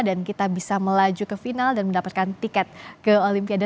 dan kita bisa melaju ke final dan mendapatkan tiket ke olimpiade